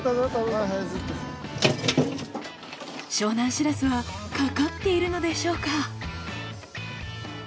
湘南しらすはかかっているのでしょうか？